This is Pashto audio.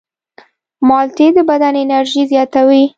مالټې د بدن انرژي زیاتوي.